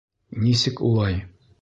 Нисек улай?